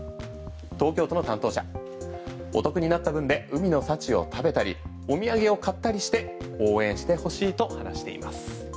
東京都の担当者お得になった分で海の幸を食べたりお土産を買ったりして応援してほしいと話しています。